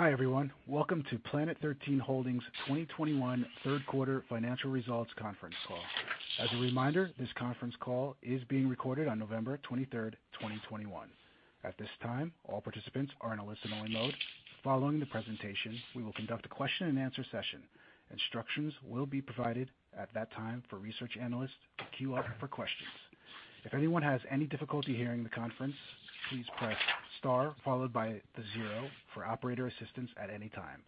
Hi, everyone. Welcome to Planet 13 Holdings' 2021 Third Quarter Financial Results Conference Call. As a reminder, this conference call is being recorded on November 23rd, 2021. At this time, all participants are in a listen-only mode. Following the presentation, we will conduct a question-and-answer session. Instructions will be provided at that time for research analysts to queue up for questions. If anyone has any difficulty hearing the conference, please press star followed by the zero for operator assistance at any time.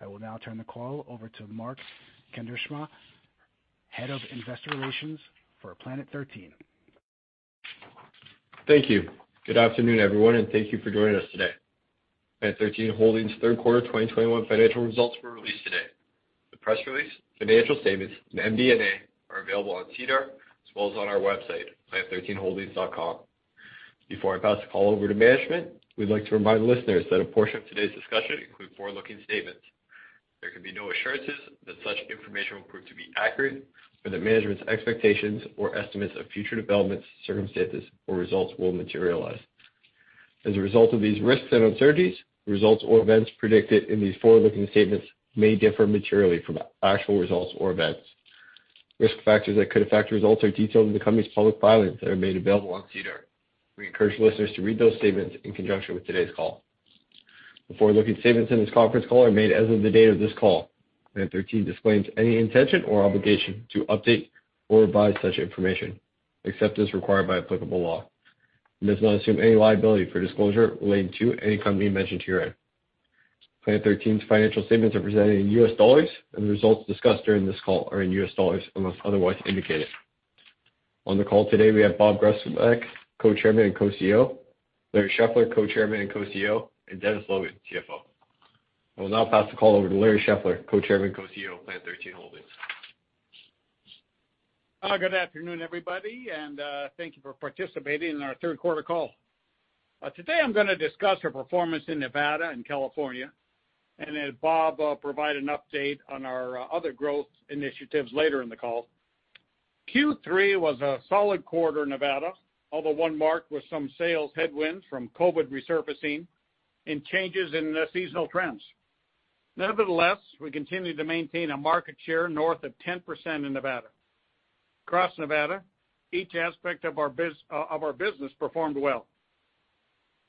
I will now turn the call over to Mark Kuindersma, Head of Investor Relations for Planet 13. Thank you. Good afternoon, everyone, and thank you for joining us today. Planet 13 Holdings' Q3 2021 financial results were released today. The press release, financial statements, and MD&A are available on SEDAR as well as on our website, planet13holdings.com. Before I pass the call over to management, we'd like to remind listeners that a portion of today's discussion include forward-looking statements. There can be no assurances that such information will prove to be accurate, or that management's expectations or estimates of future developments, circumstances, or results will materialize. As a result of these risks and uncertainties, results or events predicted in these forward-looking statements may differ materially from actual results or events. Risk factors that could affect results are detailed in the company's public filings that are made available on SEDAR. We encourage listeners to read those statements in conjunction with today's call. The forward-looking statements in this conference call are made as of the date of this call. Planet 13 disclaims any intention or obligation to update or revise such information, except as required by applicable law. It does not assume any liability for disclosure relating to any company mentioned herein. Planet 13's financial statements are presented in U.S. dollars, and the results discussed during this call are in U.S. dollars unless otherwise indicated. On the call today, we have Bob Groesbeck, Co-Chairman and Co-CEO, Larry Scheffler, Co-Chairman and Co-CEO, and Dennis Logan, CFO. I will now pass the call over to Larry Scheffler, Co-Chairman and Co-CEO of Planet 13 Holdings. Good afternoon, everybody, and thank you for participating in our third quarter call. Today I'm gonna discuss our performance in Nevada and California, and then Bob will provide an update on our other growth initiatives later in the call. Q3 was a solid quarter in Nevada, although one marked with some sales headwinds from COVID resurfacing and changes in the seasonal trends. Nevertheless, we continue to maintain a market share north of 10% in Nevada. Across Nevada, each aspect of our business performed well.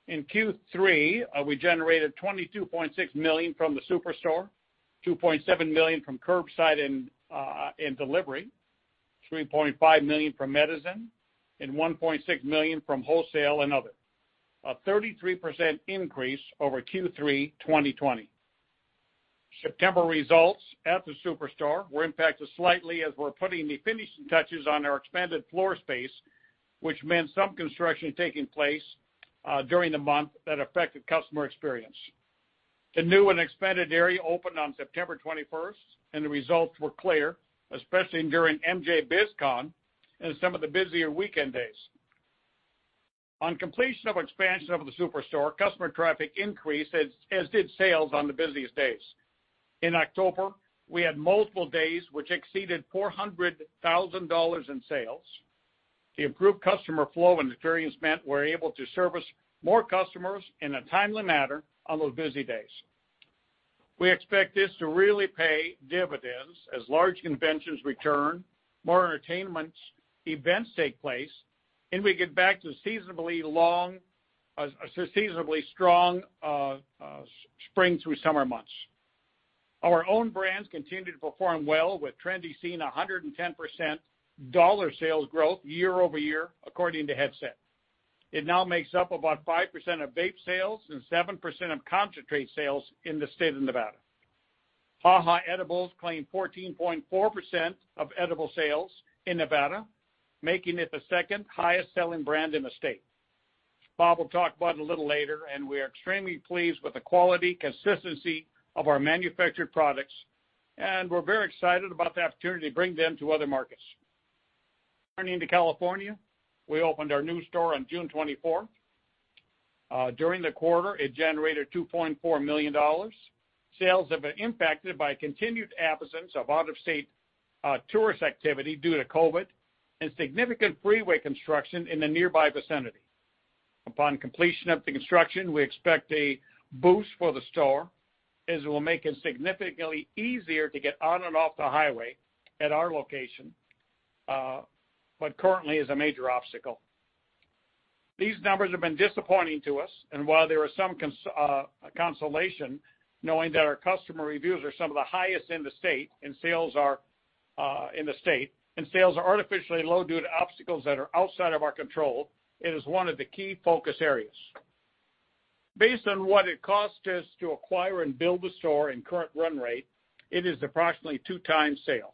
In Q3, we generated $22.6 million from the SuperStore, $2.7 million from curbside and delivery, $3.5 million from Medizin, and $1.6 million from wholesale and other, a 33% increase over Q3 2020. September results at the SuperStore were impacted slightly as we're putting the finishing touches on our expanded floor space, which meant some construction taking place during the month that affected customer experience. The new and expanded area opened on September 21st, and the results were clear, especially during MJBizCon and some of the busier weekend days. On completion of expansion of the SuperStore, customer traffic increased, as did sales on the busiest days. In October, we had multiple days which exceeded $400,000 in sales. The improved customer flow and experience meant we're able to service more customers in a timely manner on those busy days. We expect this to really pay dividends as large conventions return, more entertainment events take place, and we get back to seasonably strong spring through summer months. Our own brands continue to perform well with Trendi seeing 110% dollar sales growth year-over-year according to Headset. It now makes up about 5% of vape sales and 7% of concentrate sales in the state of Nevada. HaHa edibles claim 14.4% of edible sales in Nevada, making it the second highest selling brand in the state. Bob will talk about it a little later, and we are extremely pleased with the quality, consistency of our manufactured products, and we're very excited about the opportunity to bring them to other markets. Turning to California, we opened our new store on June 24th. During the quarter, it generated $2.4 million. Sales have been impacted by continued absence of out-of-state tourist activity due to COVID and significant freeway construction in the nearby vicinity. Upon completion of the construction, we expect a boost for the store as it will make it significantly easier to get on and off the highway at our location, what currently is a major obstacle. These numbers have been disappointing to us, and while there is some consolation knowing that our customer reviews are some of the highest in the state and sales are artificially low due to obstacles that are outside of our control, it is one of the key focus areas. Based on what it costs us to acquire and build the store and current run rate, it is approximately 2x sales.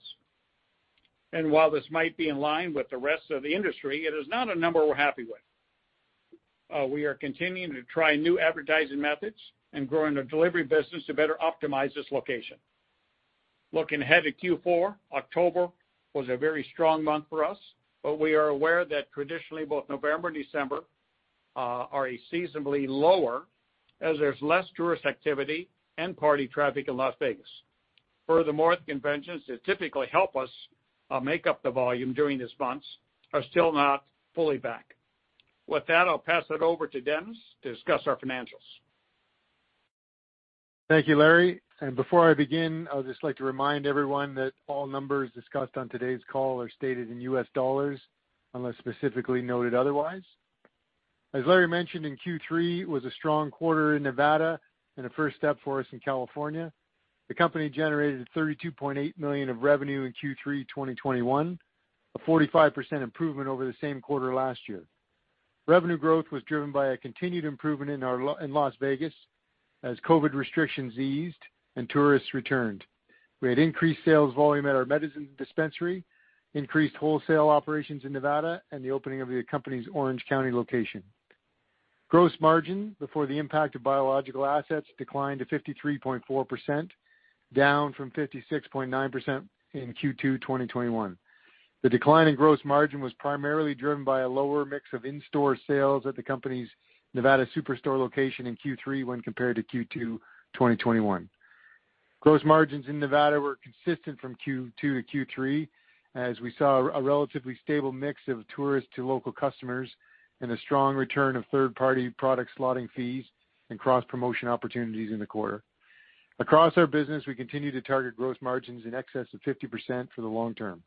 While this might be in line with the rest of the industry, it is not a number we're happy with. We are continuing to try new advertising methods and growing the delivery business to better optimize this location. Looking ahead to Q4, October was a very strong month for us, but we are aware that traditionally both November and December are seasonally lower as there's less tourist activity and party traffic in Las Vegas. Furthermore, the conventions that typically help us make up the volume during these months are still not fully back. With that, I'll pass it over to Dennis to discuss our financials. Thank you, Larry. Before I begin, I would just like to remind everyone that all numbers discussed on today's call are stated in U.S. dollars unless specifically noted otherwise. As Larry mentioned, Q3 was a strong quarter in Nevada and a first step for us in California. The company generated $32.8 million of revenue in Q3 2021. A 45% improvement over the same quarter last year. Revenue growth was driven by a continued improvement in Las Vegas as COVID restrictions eased and tourists returned. We had increased sales volume at our Medizin dispensary, increased wholesale operations in Nevada, and the opening of the company's Orange County location. Gross margin before the impact of biological assets declined to 53.4%, down from 56.9% in Q2 2021. The decline in gross margin was primarily driven by a lower mix of in-store sales at the company's Nevada SuperStore location in Q3 when compared to Q2, 2021. Gross margins in Nevada were consistent from Q2 to Q3, as we saw a relatively stable mix of tourists to local customers and a strong return of third-party product slotting fees and cross-promotion opportunities in the quarter. Across our business, we continue to target gross margins in excess of 50% for the long term.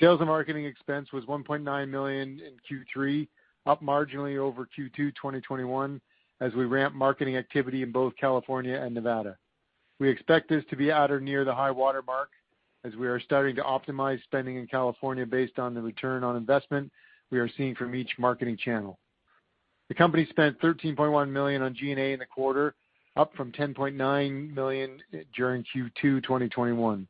Sales and marketing expense was $1.9 million in Q3, up marginally over Q2, 2021 as we ramp marketing activity in both California and Nevada. We expect this to be at or near the high watermark as we are starting to optimize spending in California based on the return on investment we are seeing from each marketing channel. The company spent $13.1 million on G&A in the quarter, up from $10.9 million during Q2 2021.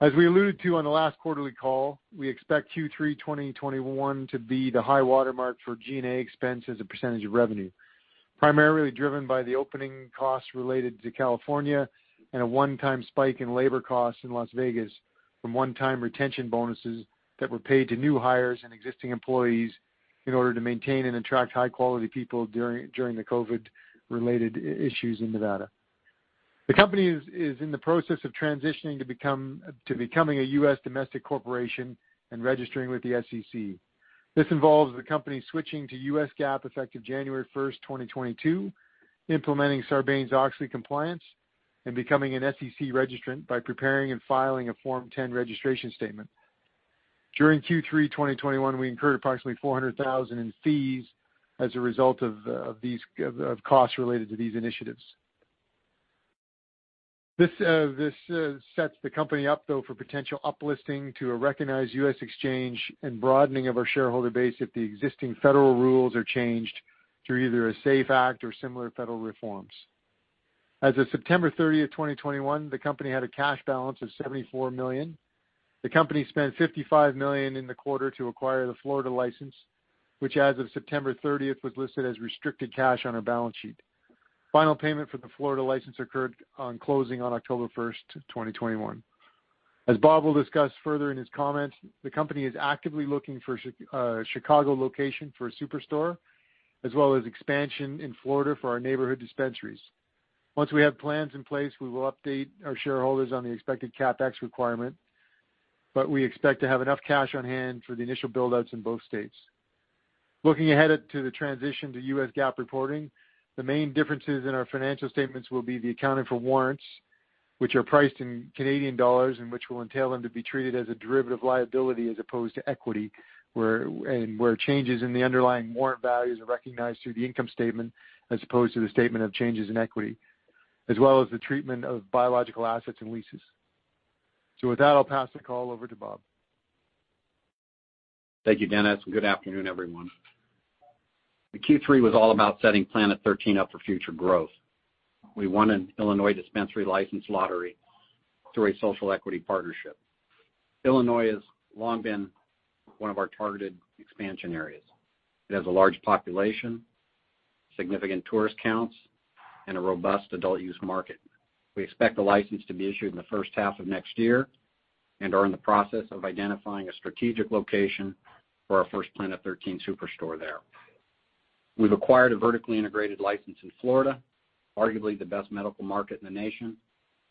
As we alluded to on the last quarterly call, we expect Q3 2021 to be the high watermark for G&A expense as a percentage of revenue, primarily driven by the opening costs related to California and a one-time spike in labor costs in Las Vegas from one-time retention bonuses that were paid to new hires and existing employees in order to maintain and attract high-quality people during the COVID-related issues in Nevada. The company is in the process of transitioning to becoming a U.S. domestic corporation and registering with the SEC. This involves the company switching to U.S. GAAP effective January 1st, 2022, implementing Sarbanes-Oxley compliance, and becoming an SEC registrant by preparing and filing a Form 10 registration statement. During Q3 2021, we incurred approximately $400,000 in fees as a result of costs related to these initiatives. This sets the company up though for potential uplisting to a recognized U.S. exchange and broadening of our shareholder base if the existing federal rules are changed through either a SAFE Banking Act or similar federal reforms. As of September 30th, 2021, the company had a cash balance of $74 million. The company spent $55 million in the quarter to acquire the Florida license, which as of September 30th, was listed as restricted cash on our balance sheet. Final payment for the Florida license occurred on closing on October 1st, 2021. As Bob will discuss further in his comments, the company is actively looking for Chicago location for a superstore, as well as expansion in Florida for our neighborhood dispensaries. Once we have plans in place, we will update our shareholders on the expected CapEx requirement, but we expect to have enough cash on hand for the initial build-outs in both states. Looking ahead to the transition to U.S. GAAP reporting, the main differences in our financial statements will be the accounting for warrants, which are priced in Canadian dollars and which will entail them to be treated as a derivative liability as opposed to equity, where and where changes in the underlying warrant values are recognized through the income statement as opposed to the statement of changes in equity. As well as the treatment of biological assets and leases. With that, I'll pass the call over to Bob. Thank you, Dennis, and good afternoon, everyone. The Q3 was all about setting Planet 13 up for future growth. We won an Illinois dispensary license lottery through a social equity partnership. Illinois has long been one of our targeted expansion areas. It has a large population, significant tourist counts, and a robust adult use market. We expect the license to be issued in the first half of next year and are in the process of identifying a strategic location for our first Planet 13 SuperStore there. We've acquired a vertically integrated license in Florida, arguably the best medical market in the nation,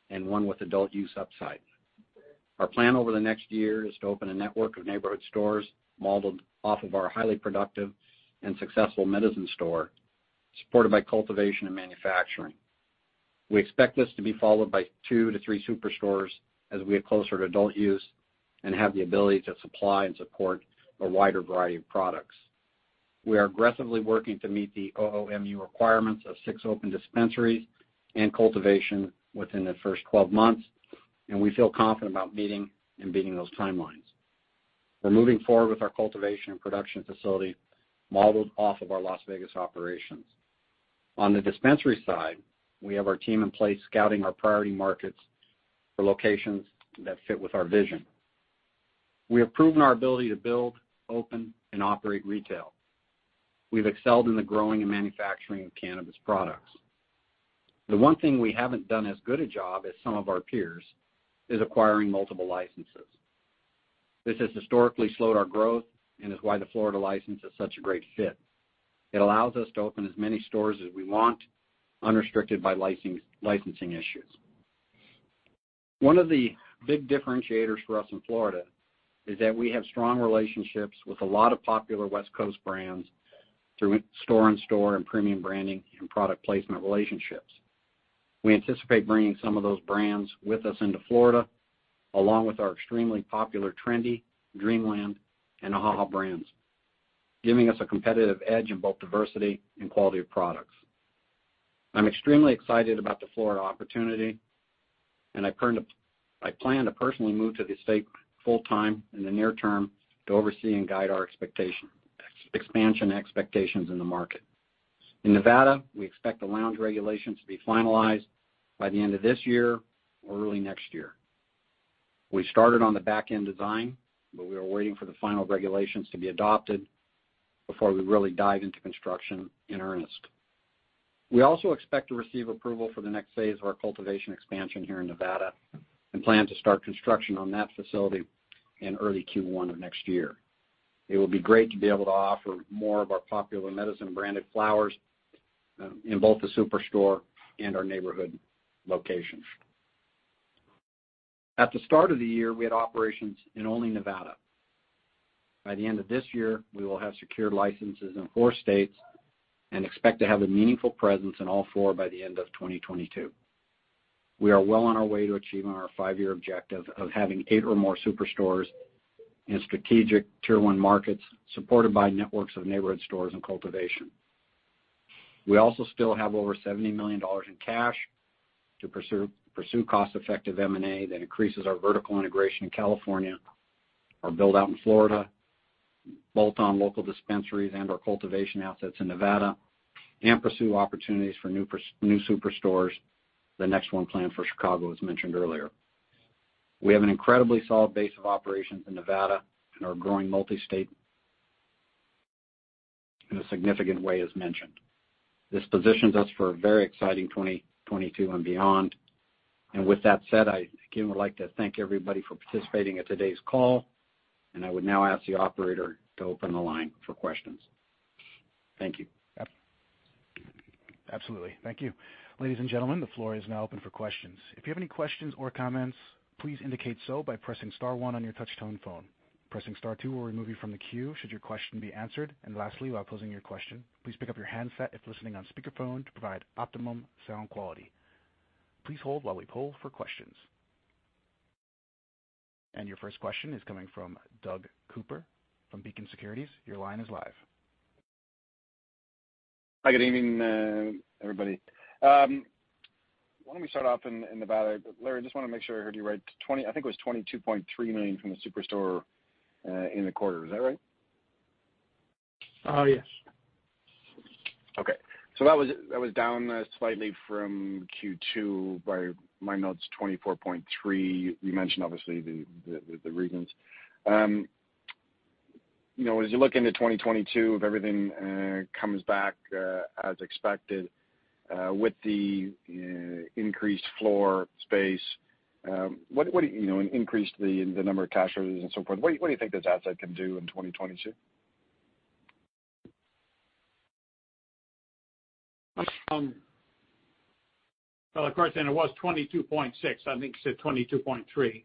and one with adult use upside. Our plan over the next year is to open a network of neighborhood stores modeled off of our highly productive and successful Medizin store, supported by cultivation and manufacturing. We expect this to be followed by two to three SuperStores as we get closer to adult use and have the ability to supply and support a wider variety of products. We are aggressively working to meet the OMMU requirements of six open dispensaries and cultivation within the first 12 months, and we feel confident about meeting and beating those timelines. We're moving forward with our cultivation and production facility modeled off of our Las Vegas operations. On the dispensary side, we have our team in place scouting our priority markets for locations that fit with our vision. We have proven our ability to build, open, and operate retail. We've excelled in the growing and manufacturing of cannabis products. The one thing we haven't done as good a job as some of our peers is acquiring multiple licenses. This has historically slowed our growth and is why the Florida license is such a great fit. It allows us to open as many stores as we want, unrestricted by licensing issues. One of the big differentiators for us in Florida is that we have strong relationships with a lot of popular West Coast brands through store and premium branding and product placement relationships. We anticipate bringing some of those brands with us into Florida, along with our extremely popular Trendi, Dreamland and HaHa brands, giving us a competitive edge in both diversity and quality of products. I'm extremely excited about the Florida opportunity, and I plan to personally move to the state full-time in the near term to oversee and guide our expansion expectations in the market. In Nevada, we expect the lounge regulations to be finalized by the end of this year or early next year. We started on the back-end design, but we are waiting for the final regulations to be adopted before we really dive into construction in earnest. We also expect to receive approval for the next phase of our cultivation expansion here in Nevada, and plan to start construction on that facility in early Q1 of next year. It will be great to be able to offer more of our popular Medizin branded flowers in both the SuperStore and our neighborhood locations. At the start of the year, we had operations in only Nevada. By the end of this year, we will have secured licenses in four states and expect to have a meaningful presence in all four by the end of 2022. We are well on our way to achieving our five-year objective of having eight or more superstores in strategic tier one markets, supported by networks of neighborhood stores and cultivation. We also still have over $70 million in cash to pursue cost-effective M&A that increases our vertical integration in California, our build-out in Florida, both on local dispensaries and our cultivation assets in Nevada, and pursue opportunities for new superstores, the next one planned for Chicago, as mentioned earlier. We have an incredibly solid base of operations in Nevada and are growing multi-state in a significant way, as mentioned. This positions us for a very exciting 2022 and beyond. With that said, I again would like to thank everybody for participating in today's call, and I would now ask the operator to open the line for questions. Thank you. Absolutely. Thank you. Ladies and gentlemen, the floor is now open for questions. If you have any questions or comments, please indicate so by pressing star one on your touch-tone phone. Pressing star two will remove you from the queue should your question be answered. Lastly, while posing your question, please pick up your handset if listening on speakerphone to provide optimum sound quality. Please hold while we poll for questions. Your first question is coming from Doug Cooper from Beacon Securities. Your line is live. Hi, good evening, everybody. Why don't we start off in Nevada? Larry, I just wanna make sure I heard you right. I think it was $22.3 million from the SuperStore in the quarter. Is that right? Yes. Okay. That was down slightly from Q2 by my notes, $24.3 million. You mentioned obviously the reasons. You know, as you look into 2022, if everything comes back as expected with the increased floor space, you know, increased the number of cash registers and so forth, what do you think this asset can do in 2022? Of course, it was $22.6 million. I think you said $22.3 million.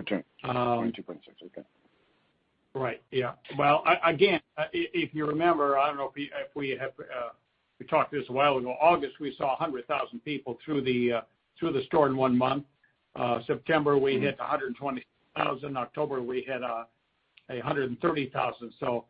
Okay. Um. $22.6 million. Okay. Well, again, if you remember, I don't know if we have talked about this a while ago. August, we saw 100,000 people through the store in one month. September, we hit 120,000. October, we had 130,000. So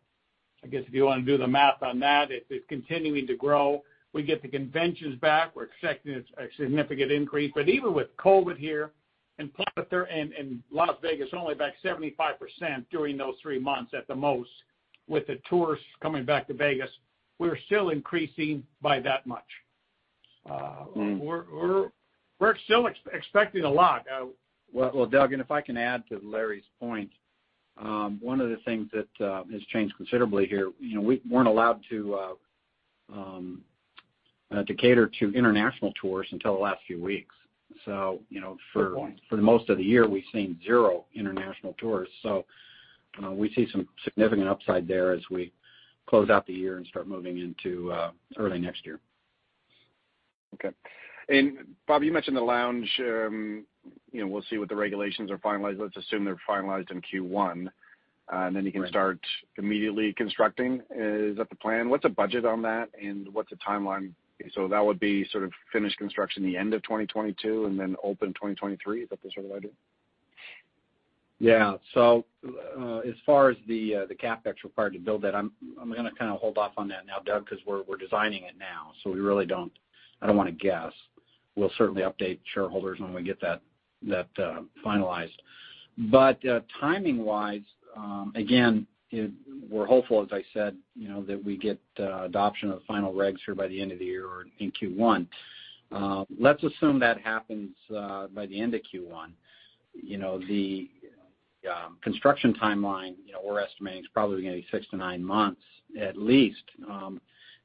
I guess if you wanna do the math on that, it's continuing to grow. We get the conventions back, we're expecting a significant increase. But even with COVID here, and plus they're in Las Vegas, only about 75% during those three months at the most with the tourists coming back to Vegas, we're still increasing by that much. Mm-hmm. We're still expecting a lot. Well, Doug, if I can add to Larry's point, one of the things that has changed considerably here, you know, we weren't allowed to cater to international tourists until the last few weeks. You know, Good point. For the most of the year, we've seen zero international tourists. We see some significant upside there as we close out the year and start moving into early next year. Okay. Bob, you mentioned the lounge. We'll see what the regulations are finalized. Let's assume they're finalized in Q1, and then you can start immediately constructing. Is that the plan? What's the budget on that, and what's the timeline? That would be sort of finished construction the end of 2022, and then open 2023. Is that the sort of idea? Yeah. As far as the CapEx required to build that, I'm gonna kind of hold off on that now, Doug, 'cause we're designing it now, so we really don't want to guess. We'll certainly update shareholders when we get that finalized. Timing-wise, again, we're hopeful, as I said, you know, that we get adoption of final regs here by the end of the year or in Q1. Let's assume that happens by the end of Q1. You know, the construction timeline, you know, we're estimating is probably gonna be six to nine months at least.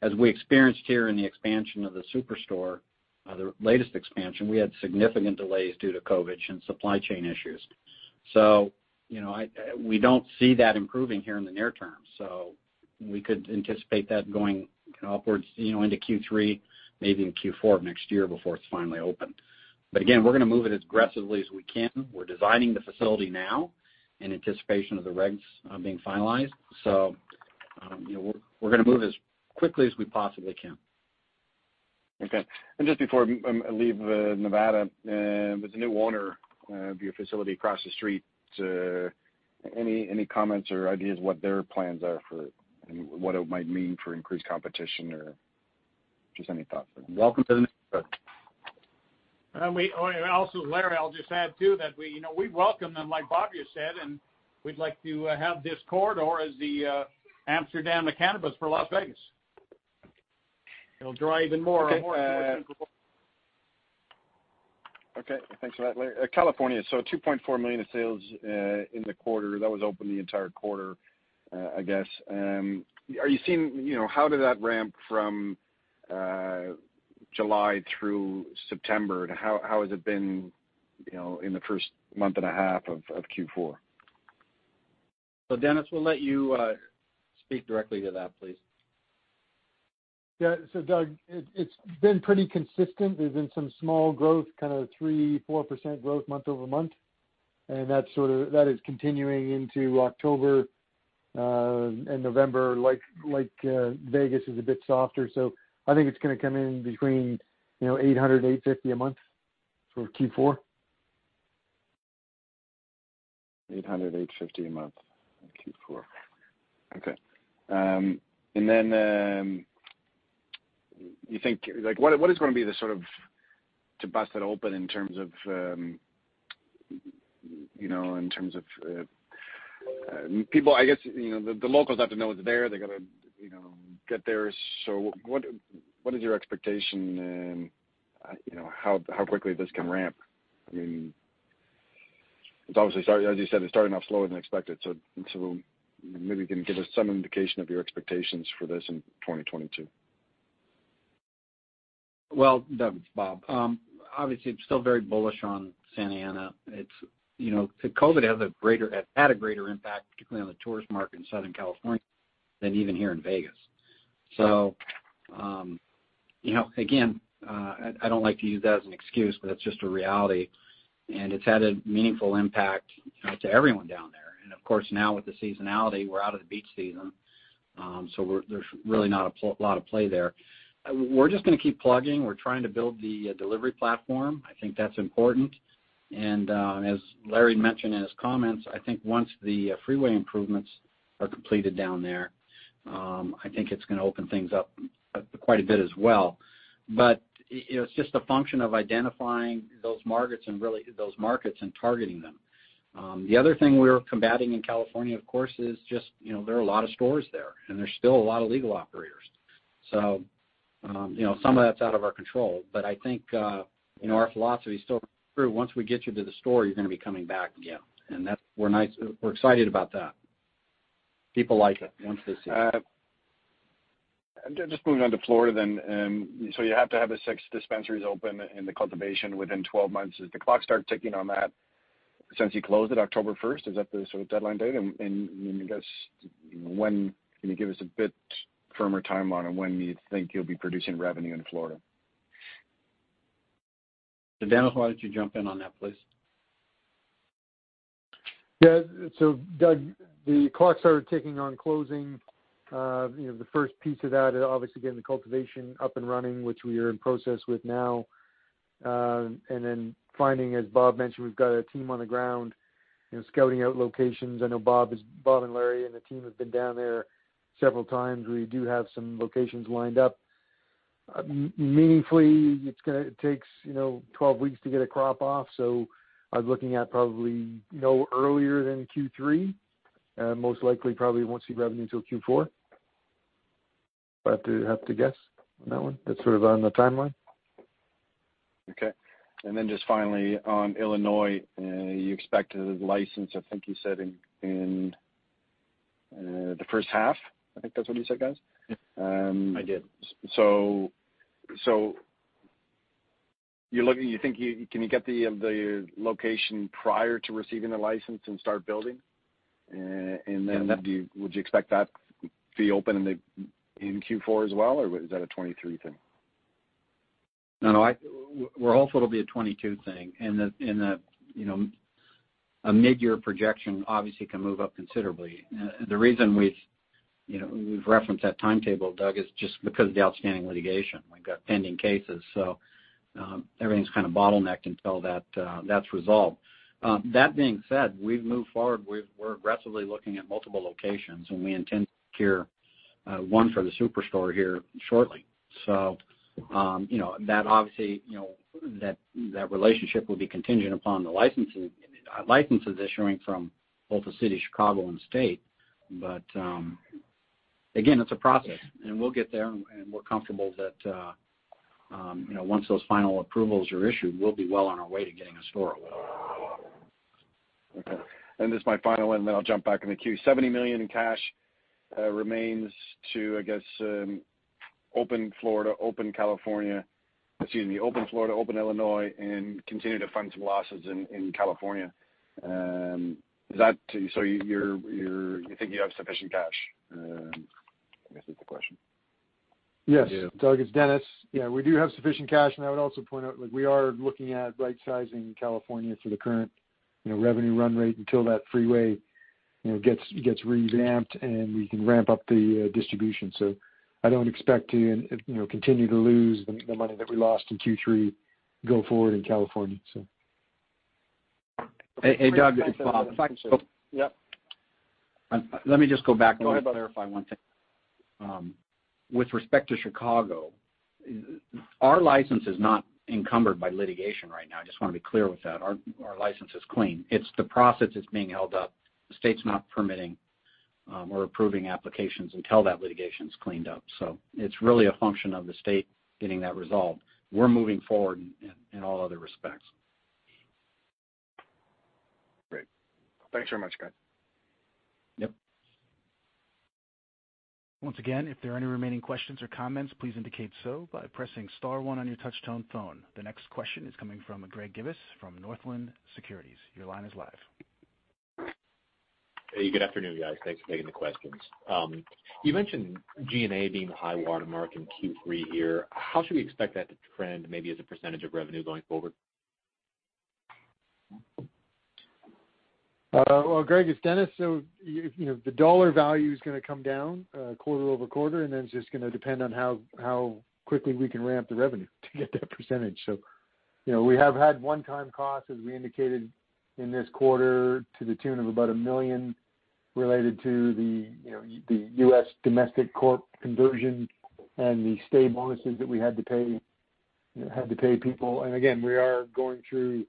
As we experienced here in the expansion of the SuperStore. The latest expansion, we had significant delays due to COVID and supply chain issues. You know, we don't see that improving here in the near term. We could anticipate that going upwards, you know, into Q3, maybe in Q4 of next year before it's finally open. Again, we're gonna move it as aggressively as we can. We're designing the facility now in anticipation of the regs, being finalized. You know, we're gonna move as quickly as we possibly can. Okay. Just before I leave Nevada, and with the new owner of your facility across the street, any comments or ideas what their plans are for and what it might mean for increased competition or just any thoughts on that? Welcome to the neighborhood. Also, Larry, I'll just add too that we, you know, we welcome them like Bob just said, and we'd like to have this corridor as the Amsterdam of cannabis for Las Vegas. It'll draw even more and more and more people. Okay. Thanks for that, Larry. California, so $2.4 million in sales in the quarter, that was open the entire quarter, I guess. Are you seeing you know, how did that ramp from July through September? How has it been, you know, in the first month and a half of Q4? Dennis, we'll let you speak directly to that, please. Yeah. Doug, it's been pretty consistent. There's been some small growth, kind of 3%-4% growth month-over-month, and that is continuing into October and November, like, Vegas is a bit softer. I think it's gonna come in between, you know, $800-$850 a month for Q4. $800, $850 a month in Q4. Okay. Like, what is gonna be the sort of, to bust it open in terms of, you know, in terms of, people, I guess, you know, the locals have to know it's there. They gotta, you know, get there. What is your expectation in, you know, how quickly this can ramp? I mean, it's obviously starting, as you said, it's starting off slower than expected, maybe you can give us some indication of your expectations for this in 2022. Well, Doug, it's Bob. Obviously, I'm still very bullish on Santa Ana. It's, you know, so COVID has had a greater impact, particularly on the tourist market in Southern California than even here in Vegas. You know, again, I don't like to use that as an excuse, but it's just a reality, and it's had a meaningful impact, you know, to everyone down there. Of course, now with the seasonality, we're out of the beach season, so there's really not a lot of play there. We're just gonna keep plugging. We're trying to build the delivery platform. I think that's important. As Larry mentioned in his comments, I think once the freeway improvements are completed down there, I think it's gonna open things up quite a bit as well. It's just a function of identifying those markets and targeting them. The other thing we're combating in California, of course, is just, you know, there are a lot of stores there, and there's still a lot of legal operators. You know, some of that's out of our control. I think, you know, our philosophy is still true. Once we get you to the store, you're gonna be coming back again. We're excited about that. People like it once they see it. Just moving on to Florida then. You have to have the six dispensaries open and the cultivation within twelve months. Did the clock start ticking on that since you closed it October first? Is that the sort of deadline date? I guess, when can you give us a bit firmer timeline on when you think you'll be producing revenue in Florida? Dennis, why don't you jump in on that, please? Yeah. Doug, the clock started ticking on closing, the first piece of that is obviously getting the cultivation up and running, which we are in process with now, finding, as Bob mentioned, we've got a team on the ground, scouting out locations. I know Bob and Larry and the team have been down there several times. We do have some locations lined up. Meaningfully, it takes 12 weeks to get a crop off, so I was looking at probably no earlier than Q3. Most likely probably won't see revenue till Q4. If I have to guess on that one, that's sort of on the timeline. Okay. Just finally on Illinois, you expect the license, I think you said in the first half. I think that's what you said, guys? Yes. I did. Can you get the location prior to receiving the license and start building? Would you expect that to be open in Q4 as well, or is that a 2023 thing? No, no. We're hopeful it'll be a 2022 thing. The, you know, a mid-year projection obviously can move up considerably. The reason we've referenced that timetable, Doug, is just because of the outstanding litigation. We've got pending cases, so everything's kind of bottlenecked until that's resolved. That being said, we've moved forward. We're aggressively looking at multiple locations, and we intend to secure one for the SuperStore here shortly. You know, that obviously, you know, that relationship will be contingent upon the licensing licenses issuing from both the city of Chicago and the state. Again, it's a process, and we'll get there and we're comfortable that, you know, once those final approvals are issued, we'll be well on our way to getting a store open. Okay. This is my final one, then I'll jump back in the queue. $70 million in cash remains to, I guess, open Florida, open California, open Illinois, and continue to fund some losses in California. You think you have sufficient cash, I guess is the question. Yes. Yeah. Doug, it's Dennis. Yeah, we do have sufficient cash. I would also point out, like we are looking at rightsizing California to the current, you know, revenue run rate until that freeway, you know, gets revamped and we can ramp up the distribution. I don't expect to, you know, continue to lose the money that we lost in Q3 go forward in California, so. Hey, hey, Doug, it's Bob. Yep. Let me just go back and clarify one thing. Go ahead, Bob. With respect to Chicago, our license is not encumbered by litigation right now. I just wanna be clear with that. Our license is clean. It's the process that's being held up. The state's not permitting or approving applications until that litigation is cleaned up. It's really a function of the state getting that resolved. We're moving forward in all other respects. Great. Thanks very much, guys. Yep. Once again, if there are any remaining questions or comments, please indicate so by pressing star one on your touchtone phone. The next question is coming from Greg Gibas from Northland Securities. Your line is live. Hey, good afternoon, guys. Thanks for taking the questions. You mentioned G&A being the high watermark in Q3 here. How should we expect that to trend maybe as a percentage of revenue going forward? Well, Greg, it's Dennis. You know, the dollar value is gonna come down quarter-over-quarter, and then it's just gonna depend on how quickly we can ramp the revenue to get that percentage. You know, we have had one-time costs, as we indicated in this quarter, to the tune of about $1 million related to you know, the U.S. domestic corporation conversion and the state bonuses that we had to pay people. And again, we are going through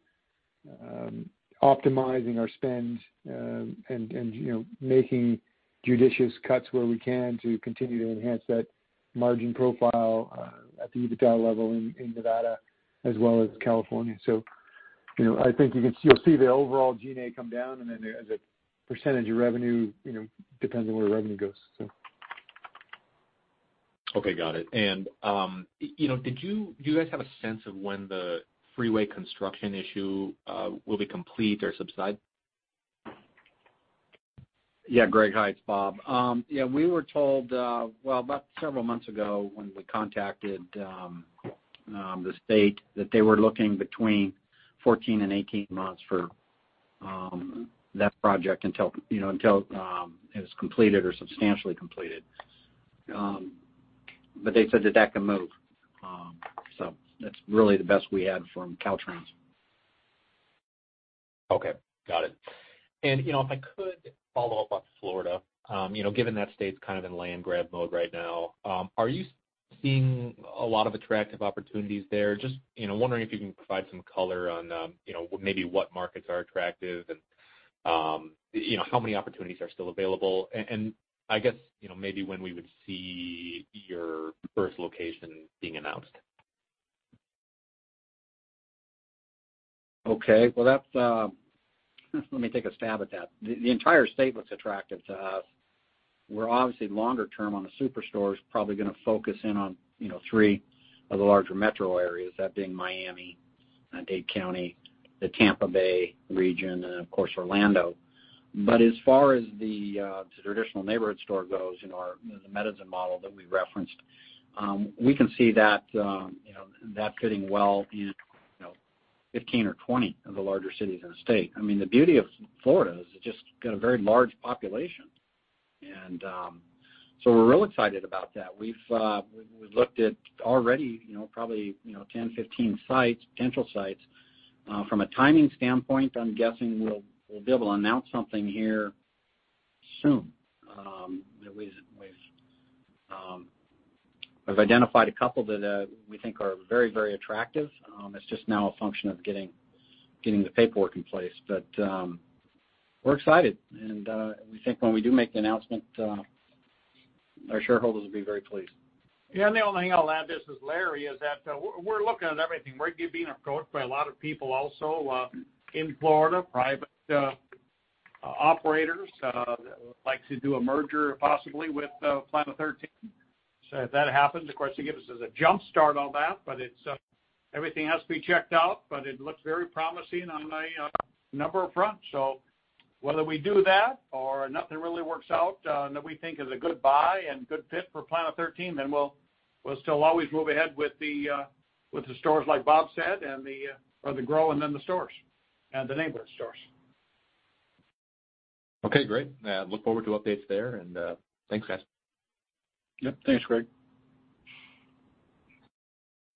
optimizing our spend and you know, making judicious cuts where we can to continue to enhance that margin profile at the EBITDA level in Nevada as well as California. You know, I think you can see, you'll see the overall G&A come down and then as a percentage of revenue, you know, depends on where revenue goes so. Okay, got it. You know, do you guys have a sense of when the freeway construction issue will be complete or subside? Greg. Hi, it's Bob. Yeah, we were told, well, about several months ago when we contacted the state that they were looking between 14 and 18 months for that project until, you know, it was completed or substantially completed. They said that that can move. That's really the best we had from Caltrans. Okay, got it. You know, if I could follow up on Florida, you know, given that state's kind of in land grab mode right now, are you seeing a lot of attractive opportunities there? Just, you know, wondering if you can provide some color on, you know, maybe what markets are attractive and, you know, how many opportunities are still available? And I guess, you know, maybe when we would see your first location being announced. Okay. Well, that's. Let me take a stab at that. The entire state looks attractive to us. We're obviously longer term on the super stores, probably gonna focus in on, you know, three of the larger metro areas, that being Miami, Dade County, the Tampa Bay region and of course, Orlando. But as far as the traditional neighborhood store goes, you know, our the Medizin model that we referenced, we can see that, you know, that fitting well in, you know, 15 or 20 of the larger cities in the state. I mean, the beauty of Florida is it's just got a very large population. We're real excited about that. We've looked at already, you know, probably, you know, 10, 15 sites, potential sites. From a timing standpoint, I'm guessing we'll be able to announce something here soon. We've identified a couple that we think are very attractive. It's just now a function of getting the paperwork in place. We're excited and we think when we do make the announcement, our shareholders will be very pleased. Yeah, the only thing I'll add, this is Larry, is that we're looking at everything. We're courting a lot of people also in Florida private operators that would like to do a merger possibly with Planet 13. If that happens, of course, it gives us a jump-start on that, but everything has to be checked out, but it looks very promising on a number of fronts. Whether we do that or nothing really works out that we think is a good buy and good fit for Planet 13, we'll still always move ahead with the stores, like Bob said, and the grow and then the stores, and the neighborhood stores. Okay, great. Look forward to updates there. Thanks, guys. Yep. Thanks, Greg.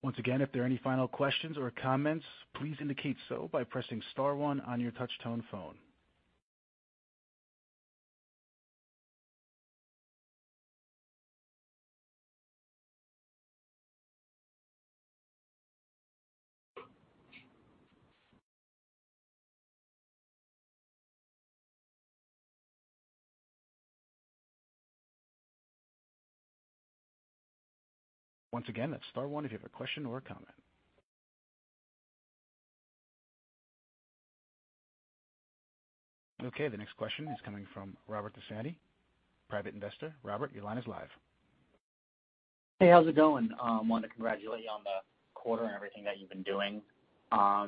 Once again, if there are any final questions or comments, please indicate so by pressing star one on your touchtone phone. Once again, that's star one if you have a question or a comment. Okay, the next question is coming from Robert DeSantis, Private Investor. Robert, your line is live. Hey, how's it going? Wanted to congratulate you on the quarter and everything that you've been doing. I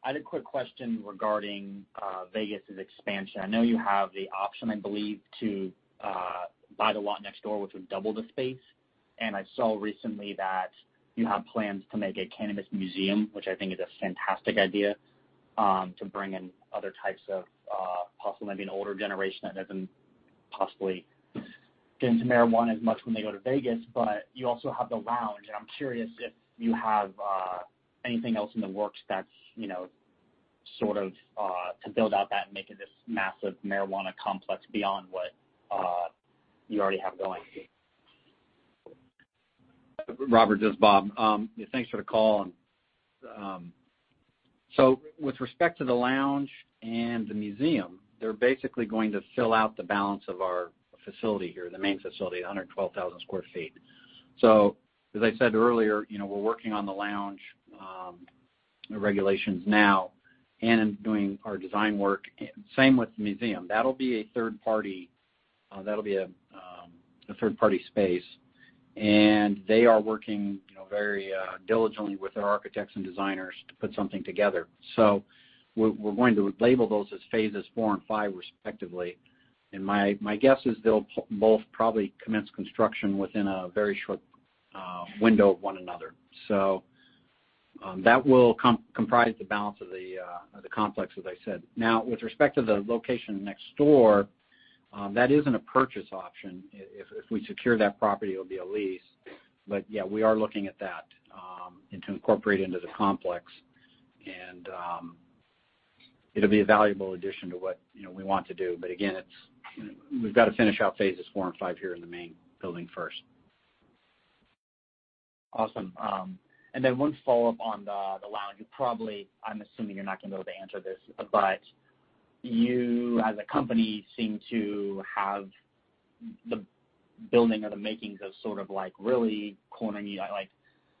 had a quick question regarding Vegas' expansion. I know you have the option, I believe, to buy the lot next door, which would double the space. I saw recently that you have plans to make a cannabis museum, which I think is a fantastic idea, to bring in other types of possibly maybe an older generation that hasn't possibly been to marijuana as much when they go to Vegas. But you also have the lounge, and I'm curious if you have anything else in the works that's, you know, sort of, to build out that and make it this massive marijuana complex beyond what you already have going. Robert, this is Bob. Thanks for the call. With respect to the lounge and the museum, they're basically going to fill out the balance of our facility here, the main facility, 112,000 sq ft. As I said earlier, you know, we're working on the lounge regulations now and doing our design work. Same with the museum. That'll be a third-party space. They are working, you know, very diligently with our architects and designers to put something together. We're going to label those as phases four and five respectively. My guess is they'll both probably commence construction within a very short window of one another. That will comprise the balance of the complex, as I said. Now, with respect to the location next door, that isn't a purchase option. If we secure that property, it'll be a lease. Yeah, we are looking at that, and to incorporate into the complex. It'll be a valuable addition to what, you know, we want to do. Again, it's, you know, we've got to finish out phases four and five here in the main building first. Awesome. Then one follow-up on the lounge. You probably, I'm assuming you're not gonna be able to answer this, but you, as a company, seem to have the building or the makings of sort of like really cornering you. Like,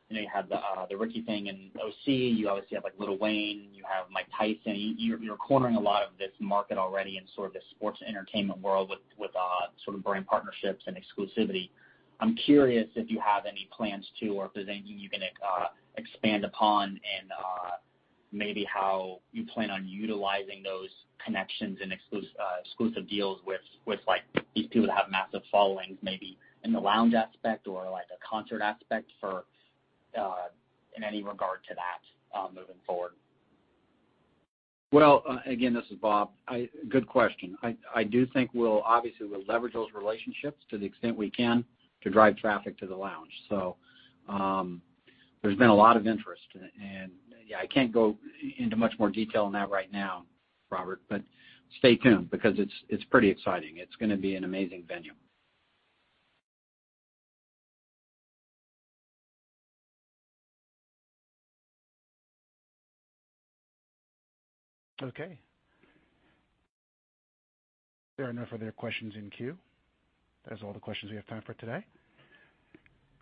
you know, you have the Ricky thing in OC. You obviously have, like, Lil Wayne, you have Mike Tyson. You're cornering a lot of this market already in sort of the sports entertainment world with sort of brand partnerships and exclusivity. I'm curious if you have any plans to or if there's anything you can expand upon in maybe how you plan on utilizing those connections and exclusive deals with like these people that have massive followings, maybe in the lounge aspect or like a concert aspect for in any regard to that moving forward. Well, again, this is Bob. Good question. I do think we'll obviously leverage those relationships to the extent we can to drive traffic to the lounge. There's been a lot of interest. Yeah, I can't go into much more detail on that right now, Robert, but stay tuned because it's pretty exciting. It's gonna be an amazing venue. Okay. There are no further questions in queue. That's all the questions we have time for today.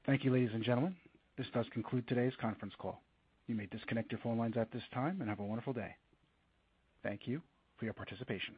Thank you, ladies and gentlemen. This does conclude today's conference call. You may disconnect your phone lines at this time and have a wonderful day. Thank you for your participation.